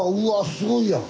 すごいやん。